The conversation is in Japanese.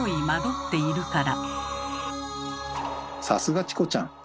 さすがチコちゃん。